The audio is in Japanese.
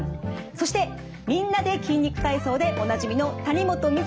そして「みんなで筋肉体操」でおなじみの谷本道哉さんです。